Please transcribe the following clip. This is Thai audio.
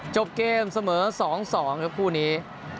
จบเกมเสมอ๒๒ครับคู่นี้